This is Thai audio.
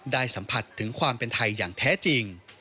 สัมผัสถึงความเป็นไทยอย่างแท้จริง